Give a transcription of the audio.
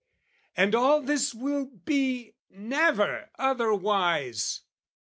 And all this will be never otherwise!